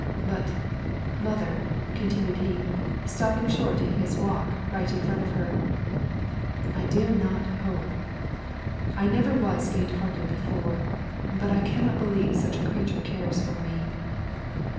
"But, mother," continued he, stopping short in his walk right in front of her. "I dare not hope. I never was faint hearted before; but I cannot believe such a creature cares for me."